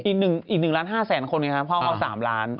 อีก๑ล้าน๕แสนคนไงครับพ่อเขา๓ล้าน